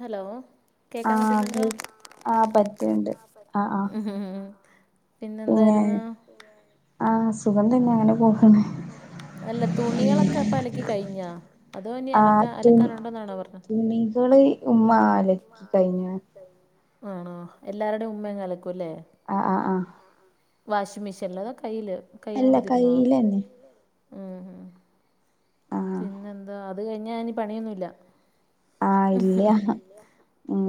Hello കേക്കാൻ പറ്റ്ന്ന്ണ്ടോ ഉം പിന്നെന്തായിര്ന്നൂ. ആഹ് സുഖം തന്നെ, അങ്ങനെ സുഖം തന്ന അങ്ങനെ പോകുന്നു അല്ല തുണികളൊക്കെ അപ്പൊ അലക്കി കഴിഞ്ഞാ അതോനി അലക്കാ അലക്കാനുണ്ടെന്നാണോ പറഞ്ഞ തുണികള് ഉമ്മാ അലക്കി കഴിഞ്ഞാ ആണോ എല്ലാര്ടെയും ഉമ്മയങ്ങലക്കും ലേ. വാഷിംഗ് മെഷീന്ലാ അതാേ കയ്യില് കൈ കൊണ്ട് തിരുമ്പോ? പിന്നെന്താ അത് കഴിഞ്ഞാ ഇനി പണിയൊന്നുല്ല.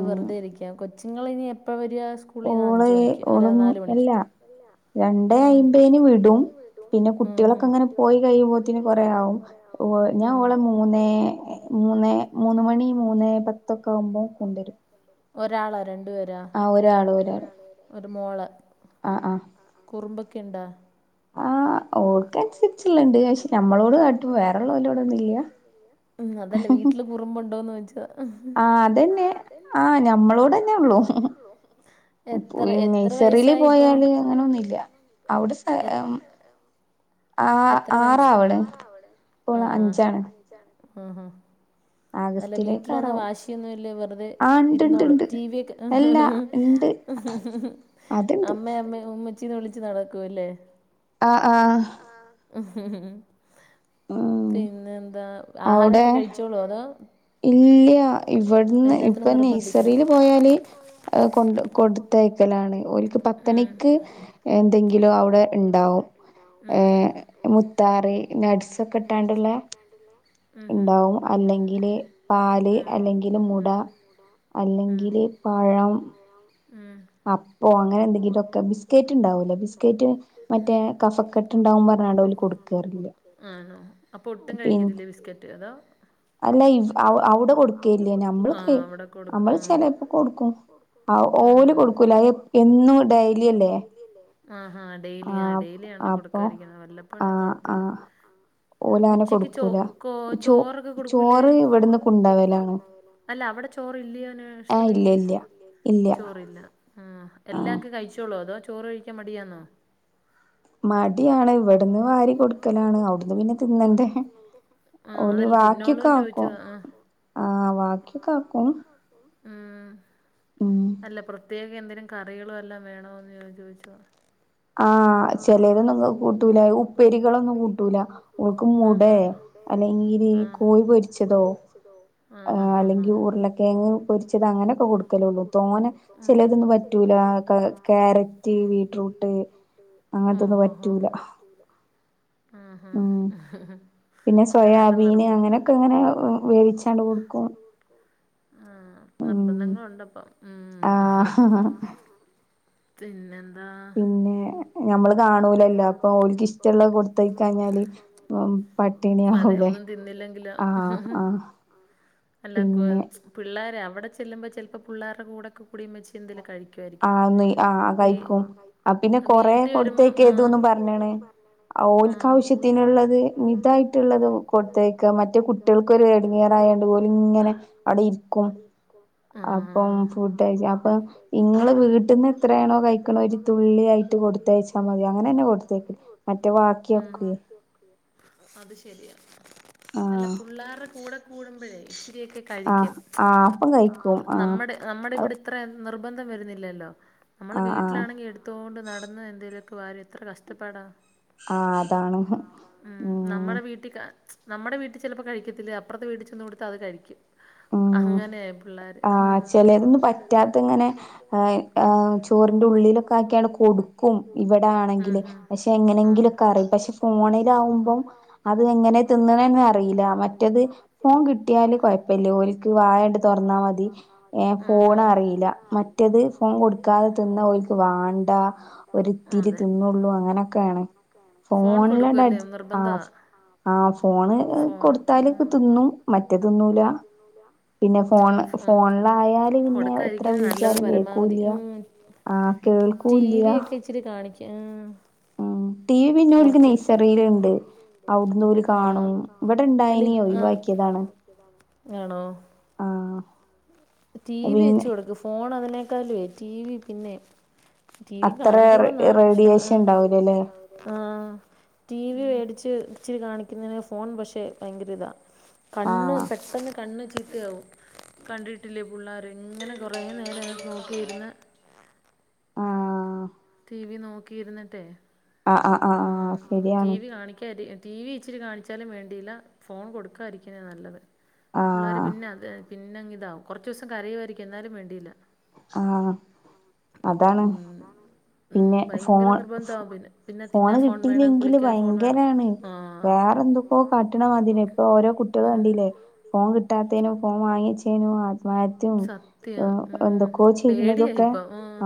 വെറുതെ ഇരിക്കാം, കൊച്ചുങ്ങളിനി എപ്പ വര്വാ സ് ള്ളീന്ന അഞ്ച് മണിക്ക് അല്ലാതെ നാല് മണിക്ക്. രണ്ടേ അയിമ്പേയ്ന് വിടും, പിന്നെ കുട്ട്യോളൊക്കെങ്ങനെ പോയി കഴിയുമ്പോത്തിന് കൊറേ ആവും, ഓ ഞാ ഓളെ മൂന്നേ മൂന്നേ മൂന്ന് മണി മൂന്നേ പത്തൊക്കെ ആവുമ്പോ കൊണ്ടോരും. ഒരാളാ രണ്ട് പേരാ, ഒര് മോള്. കുറുമ്പൊക്കെണ്ടാ? ആഹ് ഓള്ക്കെ അതല്ല വീട്ട്ല് കുറുമ്പുണ്ടോന്നോയിച്ചതാ. ആഹ് അതന്നെ ആഹ് ഞമ്മളോടെന്നേള്ളൂ. നെയഴ്സറില് പോയാല് അങ്ങനൊന്ന്ല്ല്യ അവടെ സെെ ആഹ് ആറാവ്ണ് ഇപ്പോ അഞ്ചാണ്. ആഹാ. അല്ല വീട്ടില് വന്ന വാശിയൊന്നുവില്ല വെറ്തെ ഇരുന്നോളും ടി വി ഒക്കെ ഹ ഹ ഹ ഹ അമ്മ അമ്മേ ഉമ്മ ച്ചീ വിളിച്ച് നടക്കൂവല്ലേ ഹ ഹ ഹ. പിന്നെന്താ ആഹാരൊക്കെ കഴിച്ചോളോ അതോ? ഇല്ല്യ ഇവട്ന്ന് ഇപ്പൊ നെയ്സറീല് പോയാല് കൊണ്ടോ കൊട്ത്തയക്കലാണ് ഓല്ക്ക് പത്തണിക്ക് എന്തെങ്കിലും അവടെ ഇണ്ടാവും. ഏഹ് മുത്താറി നട്ട്സൊക്കെ ഇട്ടാണ്ട്ള്ളേ ഇണ്ടാവും. അല്ലെങ്കില് പാല്, അല്ലെങ്കില് മുട, അല്ലെങ്കില് പഴം. ഉം. അപ്പോ അങ്ങനെ എന്തെങ്കിലൊക്കെ ബിസ്ക്കറ്റ് ഉണ്ടാവൂലോ ബിസ്ക്കറ്റ് മറ്റേ കഫക്കെ ആണോ അപ്പൊ ഒട്ടും കഴിക്കത്തില്ലേ ബിസ്കറ്റ് അതോ. അല്ല ഇവി അവ്ടെ കൊടുക്കെല്ലേനു അമ്മള് കൈ അമ്മള് ചെലേപ്പൊ കൊടുക്കും. ആഹ് ഓല് കൊടുക്ക ഓല് കൊടുക്കൂല എന്നും ഡൈലിയല്ലെ. ആഹാ ഡൈലി ആ ഡൈലി ആണ് കൊടുക്കാതിരിക്കുന്നെ വല്ലപ്പോഴും. വല്ലപ്പോഴും കൊഴപ്പല്ലാ. ഉച്ചക്ക് ചോ കോ ചോറൊക്കെ കൊടുക്കൂല്ലേ. ചോറ് ഇവ്ട്ന്ന് കൊണ്ടോവലാ. അല്ല അവിടെ ചോറ് ഇല്ല്യോ നേഴ്സറീല്? ആഹ് ഇല്ല ല്ല്യാ, ചോറ്. ഇല്ലാ ആഹ്. എല്ലാക്കി കഴിച്ചോളോ അതോ ചോറ് കഴിക്കാൻ മടിയാന്നോ മടിയാണ് ഇവിടന്ന് വാരി കൊടുക്കലാണ് അവുട്ന്ന് പിന്നെ തിന്നണ്ടെ. ഓര്ല് വാക്യോക്കാക്കും. ആഹ് വാക്യോക്കാക്കും. ഉം. ഉം. അല്ല പ്രത്യേക എന്തേലും കറികള് വല്ലോം വേണോന്ന് ഞാൻ ചോയിചെ. ആഹ് ചെലേതൊന്നും കൂട്ടൂല ഉപ്പേരികളൊന്നും കൂട്ടൂല ഓൾക്ക് മുടേ. അല്ലെങ്കില് ഈ കോയി പൊരിച്ചതോ അല്ലെങ്കി ഉർളക്കേങ്ങ്. പൊരിച്ചത് അങ്ങനൊക്കെ കൊട്ക്കലൊള്ളൂ. തോനെ ചെലേതൊന്നും പറ്റൂലാ ക്കെ ക്യാര റ്റി ബീട്രൂട്ട് അങ്ങത്തൊന്നും പറ്റൂല. ഉം പിന്നെ സോയാബീന് അങ്ങനൊക്കെ അങ്ങനെ വേവിച്ചാണ്ട് കൊടുക്കും. ആഹ് നിർബന്ധങ്ങളുണ്ടപ്പം. ആഹ്, ഹ, ഹ. പിന്നെന്താ. ഞമ്മള് കാണൂലല്ലോ അപ്പൊ ഓൽക്ക് ഇഷ്ടള്ളത് കൊടുത്തയക്കാഞ്ഞാല് പ്പം പട്ടിണിയാവൂല്ലെ ആഹ്, ആഹ്. അല്ല ക്കു ച്ച് പിള്ളേരെ അവിടെ ചെല്ലുമ്പോ ചെലപ്പോ പിള്ളേര്ടെ കൂടെക്കെ. പുടീമച്ചി എന്തേലും കഴിക്കുവായിരിക്കും ആഹ്, ആഹ് ബീ ആഹ് പിന്നെ കൊറേ കൊടുത്തേക്കേതുന്ന് പറഞ്ഞ്ണ്. ഓൽക്കാവശ്യത്തിന്ള്ളത് മിതായിട്ട്ള്ളതും കൊടുത്തെക്കാ മറ്റേ കുട്ട് കുട്ട്യേൾക്കൊരു എടങ്ങീറായാണ്ട് ഓല് ഇങ്ങനെ അടെ ഇരിക്കും അപ്പം ഫു ഡൈച്ചാ അപ്പം ഇങ്ങള് വീട്ടിന്ന് എത്രയാണോ കഴിക്കണ് ഒരു തുള്ളി ആയിട്ട് കൊടുത്തയച്ച് ന്നമ്മതി അങ്ങനന്നെ കൊടുതൈക്കും മറ്റേ വാക്കിയൊക്കേ. അത് ശെരിയാ. അല്ല പുള്ളാര്ടെ കൂടെ കൂടുമ്പഴേ ഇച്ചിരിയൊക്കെ കഴിക്കും. ആഹ്. നമ്മടെ നമ്മടെ ഇവിടെ. ത്രേം നിർബന്ധം വരുന്നില്ലല്ലോ നമ്മള് വീട്ടിലാണെങ്കി എടുത്തൊണ്ട് നട ടന്ന് എന്തേലൊക്കെ വരി എത്ര കഷ്ട്ടപ്പാടാ. ഉം നമ്മടെ വീട്ടി കാ ച്ച്. നമ്മടെ വീട്ടി ചെലപ്പോ കഴിക്കത്തില്ല അപ്പറത്തെ വീട്ടിച്ചെന്ന്കൊടുത്താ അത് കഴിക്കും. അഹ്ങ്ങനെയാ യി പിള്ളാര്. ആഹ് ആഹ് ചോറിന്റെ ഉള്ളിലൊക്കെ ആക്കിയാണ് കൊ കൊടുക്കും ഇവടാണെങ്കില്. പശെ എങ്ങനെങ്കിലൊക്കറിയും പശെ ഫോണിലാവുമ്പം. അത് എങ്ങനെയാ തിന്ന്ണേന്ന് അറീല്ല. മറ്റത് ഫോൺ കിട്ടിയാല് കൊയ പ്പില്ല്യ ഓല്ക്ക് വായണ്ട് തൊറന്നാ മതി ഏഹ് ഫോണ് അറീല്ല മറ്റെത്. ഫോൺ കൊട്ക്കാതെ തിന്നാ ഓല്ക്ക് വാണ്ടാ. ഒത്തിരി തിന്നൊള്ളൂ അങ്ങനൊക്കേണ് ഫോണിലാണ്ട് അടിച്ച് ആഹ് ആഹ് ഫോണ് കൊടുത്താല് ക്കെ തിന്നും മറ്റേ തിന്നൂല. പിന്നെ ഫോണ് ഫോണ്ലായാല് പിന്നെ എത്ര വിളിച്ചാലും കേക്കൂല്ലാ. ആഹ് കേൾക്കൂല്ല്യാ. ച്ചിരി കാണിക്കാ ആ ടി വി പിന്നെ ഓര്ക്ക് നൈസറിൽണ്ട് അവിടന്ന് ഓല് കാണും ഇവിടെ ഇണ്ടായിനിം ഒയിവാക്കിയതാണ് മ് ആണോ ആഹ് ടി വി വെച്ച് കൊടുക്ക് ഫോൺ അതിനേക്കാലുവെ ടീവി പിന്നെ. ടി വി കാണിച്ചൂടന്നാ പക്ഷെ ആ ആഹ് ടി വി മേടിച്ച് ഇച്ചിരി കാണിക്കുന്നതിന് ഫോൺ പക്ഷെ ഭയങ്കര ഇതാ. കണ്ണ് പെട്ടെന്ന് കണ്ണ് ചീത്തയാകവും കണ്ടിട്ട് ട്ടില്ലേ പിള്ളേര് ഇങ്ങനെ കുറേ നേരം നോക്കിയിരുന്ന്. ആഹ് ഇതി നോക്കിയിരുന്നട്ടെ. ആഹ് ആഹ് ആഹ് ശെരിയാണ്. കാണിക്കാ [unintelligible] ടി വി ഇച്ചിരി കാണിച്ചാലും വേണ്ടിയില്ല ഫോൺ കൊടുക്കാതിരിക്കാണ്‌ നല്ലത് പിള്ളേര് പിന്നെ അത് പിന്നെ ഇതാവും കൊറച്ച് ഊസം കരയുവായിരിക്കും എന്നാലും വേണ്ടില്ല ആഹ് അതാണ് പിന്നെ ഫോൺ ഫ് ഫോണ് കിട്ടിയില്ലെങ്കില് ഭയങ്കരാണ് വേറെ എന്തൊക്കോ കാട്ട്ണ മാതിരിയാ ഓരോ കുട്ടിയള് കണ്ടില്ലേ ഫോൺ കിട്ടാത്തേനും ഫോം വാങ്ങിച്ചേനും ആത്മഹത്തിം എന്തൊക്കോ ചെയ്യുന്നതൊക്കെ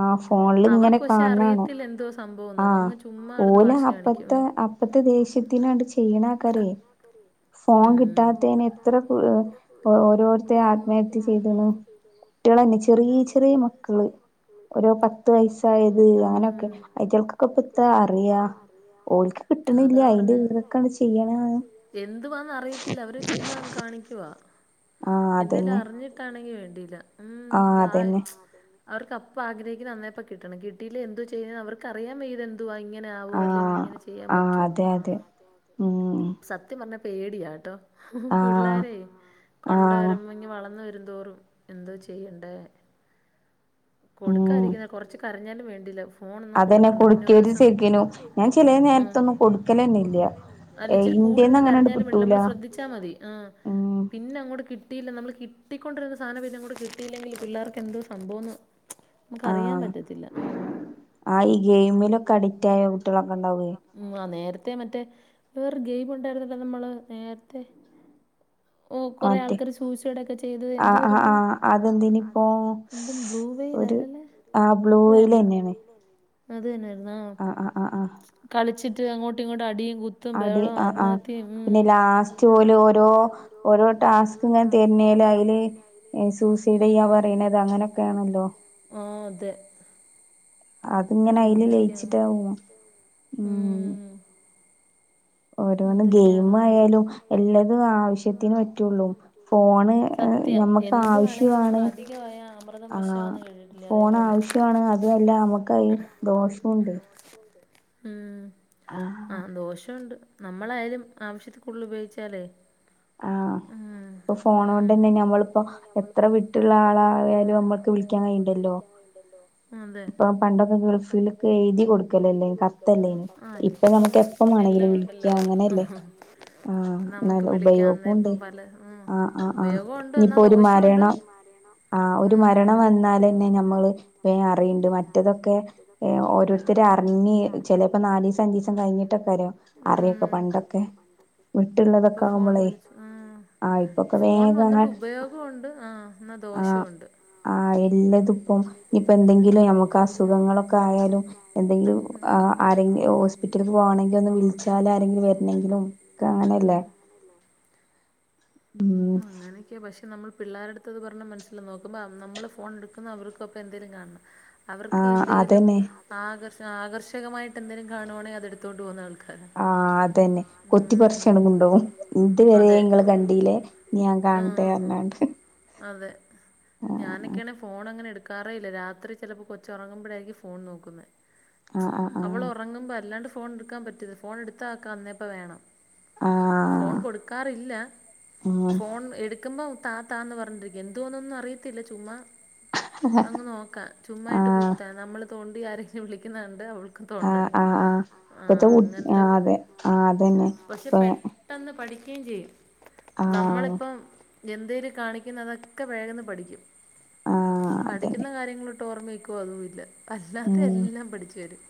ആഹ് ഫോണിലിങ്ങനെ കാ അറിയത്തില്ല എന്തോ സംഭവോന്ന് നമ്മളിങ്ങനെ ച്ചോ ഓല് അപ്പത്തെ അപ്പത്തെ ദേഷ്യത്തിനാണ്ട് ചെയ്യ്ണാക്കാരേ. ഫോൺ കിട്ടാത്തേന് എത്ര ഓ ഓരോരുത്തര് ആത്മഹത്യ ചെയ്ത്ണ് കുട്ടികളന്നെ ചെറീ ചെറീ മക്കള് രോ പത്ത് വയസ്സായ [unintelligible] യൊക്കെ അയ്റ്റങ്ങൾക്ക് ഇപ്പത്താ അറിയാ ഓള്ക്ക് കിട്ട്ണില്ല അയിന്റെ ഈറക്കാണ്ട് ചെയ്യ്ണാണ്. ഇല്ല അവര് ചുമ്മാ കാണിക്കുവാ എന്തേലും അറ്ഞ്ഞിട്ടാണെങ്കി വേണ്ടില്ല ഉം ബായ അവർക്ക് അപ്പം ആഗ്രഹിക്ക്ന്നന്നേപ്പം കിട്ടണം കിട്ടിയില്ലെ എന്ത് ചെയ്യ്ണേ അവർക്കറിയാൻ വയ്യതെ [unintelligible] ഇങ്ങനെ ആവോ അല്ലെങ്കിൽ ഇങ്ങനെ ചെയ്യാൻ പറ്റും സത് ത്യംപർഞ്ഞ പേടിയാട്ടോ പിള്ളാരേ കൊണ്ടരും മുഞ്ഞ് വളർന്ന് വരും തോറും എന്തോ ചെയ്യണ്ടേ കൊടുക്കായിരിക്കുന്ന കൊറച്ച് കരഞ്ഞാലും വേണ്ടില്ല ഫോണൊന്നും കൊടുക്കണ്ട പിന്നെ ഒരുസ [unintelligible] ക്കിനു ഞാൻ ചെലേ നേർത്തൊന്നും കൊടുക്കലന്നെല്ല ഏയ് ഇന്റേന്നങ്ങനാണ്ട് കിട്ടൂല തിച്ചാ മതി ആഹ് പിന്നെ അങ്ങോട്ട് കിട്ടിയില്ല നമ്മ കിട്ടി കൊണ്ടിരുന്ന സാനം പിന്നെ അങ്ങട്ട് കിട്ടിയില്ലെങ്കില്‌പിള്ളർ കെന്തോസംഭവന്ന് നമക്ക് അറിയാൻ പറ്റത്തില്ല ആഹ് ആഹ് ഈ ഗൈമിലൊ ഗെയ്മിലൊക്കെ അഡിക്റ്റായ [unintelligible] ഉം ആഹ് നേർത്തെ മറ്റേ വേറെ ഗെയിം ഉണ്ടായിരുന്നല്ലോ നമ്മള് നേർത്തെ ഓ കൊറെേ ആൾക്കാര് സൂയ്സേടൊക്കെ ചെയ്ത് എന്തു വേര്‌ന്ന് ആഹ് ആഹ് അത് എന്ത് ബ്ലൂ വേയിലല്ലല്ലേ? ആഹ് ബ്ലൂവെയിലെന്നെണ് അതന്നെന്നാ ആഹ് ആഹ് ആഹ് കളിച്ചിട്ട് അങ്ങോട്ടും ഇങ്ങോട്ട് അടിയും കു അടി ആഹ് ആഹ് പിന്നെ ലാസ്റ്റ് ഓല് ഓരോ ഓരോ ടാസ്ക് ഇങ്ങനെ തരുന്നേല് അയ്ല് സൂയിസേഡ് ചെയ്യാന്പറിയിണത് അങ്ങനെയൊക്കെണല്ലോ? ആഹ് അതെ എന്തൊക്കെയാ ഉം ഓരോന്ന് ഗെയിം ആയാലും എല്ലതും ആവശ്യത്തിന് പറ്റൂള്ളു ഫോണ് ഞമ്മക്ക് ആവശ്യുവാണ് ആഹ് ഫോണ് ആവശ്യുവാണ് അതുവല്ല നമക്ക് അയി ദോഷുവുണ്ട് ഉണ്ട് ഉം ആഹ് ദോഷോണ്ട് നമ്മളായാലും ആവശ്യത്തികൂട് തൽ ഉപയോച്ചാല് ആഹ് ഇപ്പൊ ഫോണോണ്ട് തന്നെ നമ്മളിപ്പോ എത്ര വിട്ടുള്ള ആളായാലും അമ്മക്ക് വിളിക്കാൻ കഴിയുണ്ടല്ലോ ഇപ്പൊ പണ്ടൊക്കെ ഗൾഫിലൊക്കെ എഴുതി കൊടുക്കല്ലല്ലേ കത്തല്ലേന് ഇ പ്പം എല്ലാം ഒണ്ടല്ലോ നമുക്ക് വിളി- അയോപോണ്ടെ ആഹ് ആഹ് ആഹ് ഇനിപ്പൊ ഒരു മരണം ആഹ് ഒരു മരണം വന്നാലന്നെ നമ്മള് വേ അറിയിണ്ട് മറ്റെതൊക്കെ ഏഹ് ഓരോരുത്തര് അറിഞ്ഞി ചെലപ്പ നാലൂസം അഞ്ചൂസം കഴിഞ്ഞിട്ടൊക്കരെ അറിയക്ക പണ്ടൊക്കെ വിട്ടിള്ളതൊക്കെ ആവുമ്പളെ ഉം ഫോൺ വന്നിട്ട് ഉപയോഗവൊണ്ട് ആഹ് എന്നാ ദോഷൊവൊണ്ട് ആഹ് ഇല്ലിതിപ്പം ഇനിപ്പം എന്തെങ്കിലും ഞമുക്ക് അസുഖങ്ങളൊക്കെ ആയാലും എന്തെങ്കിലും ആരെങ്കില ഹോസ്പിറ്റലക്ക് പോണങ്കി ഒന്ന് വിളിച്ചാല് ആരെങ്കിലും വരണെങ്കിലും ഒക്ക അങ്ങനല്ലേ ഉം പക്ഷെ നമ്മൾ പിള്ളേരട്ത്തത് പറഞ്ഞ മനസ്സില നോക്കുമ്പ നമ്മള് ഫോൺ എടുക്കുന്ന അവർക്കപ്പെന്തേലും കാണണം അവർക്ക് എന്തേലും ആകർഷ ആകർഷകമായിട്ട് എന്തേലും കാണുവാണെ അതെടുത്തോണ്ട് പോന്നാണ ആഹ് അതന്നെ കൊത്തിപ്പറിച്ചാണ കൊണ്ടോകും ഇതുവരെ ഇങ്ങള് കണ്ടീലെ ഞാൻ കാണട്ടെ പറഞ്ഞണ്ട് അതെ ഞാനൊക്കെയാണെ ഫോൺ അങ്ങനെ എടുക്ക ക്കാറെയില്ല രാത്രി ചെലപ്പൊ കൊച്ചൊറങ്ങുമ്പഴാരിക്കും ഫോൺ നോക്കുന്നെ അവള് ഒറങ്ങുമ്പോ അല്ലാണ്ട് ഫോൺ എടുക്കാൻ പറ്റില്ല ഫോൺ എടുത്ത ആക്ക അന്നേപ്പ വേണം ഫോൺ കൊടുക്കാറില്ല ഫോൺ എടുക്കുമ്പൊ താ താന്ന് പറഞ്ഞിരിക്കും എന്തുവാന്നൊന്നും അറിയത്തില്ല ചുമ്മ അങ്ങ് നോക്കാ ചുമ്മായിട്ട് കുത്താ നമ്മള് തോണ്ടി ആരെങ്കിലും വിളിക്കുന്നണ്ട് അവൾക്ക് ആഹ് ആഹ് ആഹ് ഇപ്പത്തെകുട്ടി ആഹ് അതെ ആഹ് അതന്നെ ഇപ്പെ പെട്ടെന്ന് പഠിക്കേം ചെയ്യും നമ്മളിപ്പം എന്തേര് കാണിക്കുന്ന അതൊക്കെ വേഗന്ന് പഠിക്കും പഠിക്കുന്ന കാര്യങ്ങളൊട്ട് ഓർമ്മനിക്കുവ അതു ഇല്ല അല്ലാത്ത എല്ലാം പഠിച്ചു വരും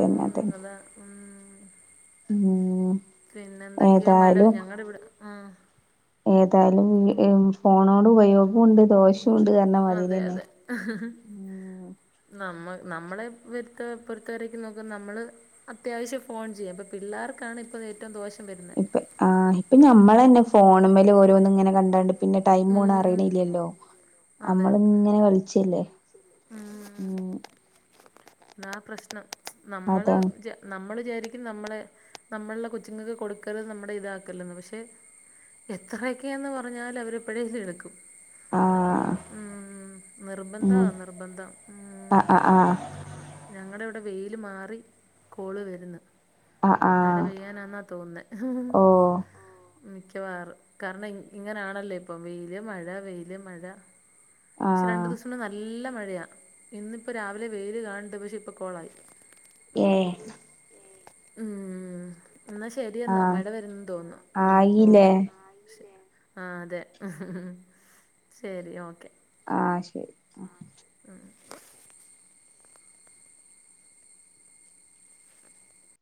ഉം അതാ ഉം ഉം പിന്നെന്തൊക്കയാ മഴ ഞങ്ങടെ ഇവിടെ ഉം ഏതായാലും ഫോണോട് ഉപയോഗു ഉണ്ട് ദോഷവും ഉണ്ട് പറഞ്ഞ മാതിരി തന്നെ നമ്മ നമ്മളെ വരുത്ത പൊരുത്തവരെക്ക നോക്ക നമ്മള് അത്യാവശ്യം ഫോൺ ചെയ്യും ഇപ്പൊ പിള്ളേർക്കാണ് ഇപ്പ ഏറ്റോം ദോഷം വരുന്നെ ആഹ് ഇപ്പൊ ഞമ്മളന്നെ ഫോണ്മേലെ ഓരോന്നും ഇങ്ങനെ കണ്ടാണ്ട് പിന്നെ ടൈം പോണ അറിയണില്ലല്ലോ നമ്മളിങ്ങനെ കളിച്ചല്ലേ ഉം എന്നാ പ്രശ്നം നമ്മള് നമ്മൾ വിചാരിക്കും നമ്മളെ നമ്മള്ടെ കൊച്ചി കൊച്ചിങ്ങക്ക് കൊടുക്കരുത് നമ്മടെ ഇതാക്കല്ലെന്ന് പക്ഷെ എത്രയൊക്കേന്ന് പറഞ്ഞാൽ അവര് എപ്പഴേലു എടുക്കും ഉം നിർബന്ധാ നിർബന്ധം ഉം ഞങ്ങടെ ഇവടെ വെയില് മാറി കോള് വര്ന്ന് മഴ പെയ്യാനാ തോന്നുന്നേ ആഹ് മിക്കവാറും കാരണം ഇങ്ങനാണല്ലൊ ഇപ്പം വെയില് മഴ വെയില് മഴ പക്ഷെ രണ്ട് ദിവസോണ്ട് നല്ല മഴയാ ഇന്നിപ്പ രാവിലെ വെയ്ല് കാണിണ്ട് പക്ഷേ ഇപ്പ കോളായി ഏ ഏ ഉം.. എന്നാ ശരിയ എന്നാ മഴ വരന്ന് തോന്നുന്നു ഉ ഓക്കെ.. ആ അതെ ശരി ഓക്കെ.. ആഹ ശരി ആ.. ഉം